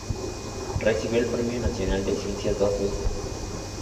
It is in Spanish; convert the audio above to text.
Recibió el Premio Nacional de Ciencias dos veces.